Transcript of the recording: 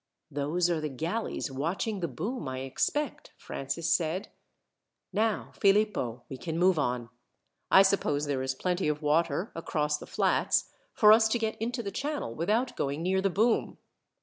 "Those are the galleys watching the boom, I expect," Francis said. "Now, Philippo, we can move on. I suppose there is plenty of water, across the flats, for us to get into the channel without going near the boom."